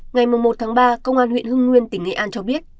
ngày một mươi một tháng ba công an huyện hưng nguyên tỉnh nghệ an cho biết